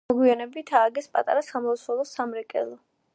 მოგვიანებით ააგეს პატარა სამლოცველო და სამრეკლო.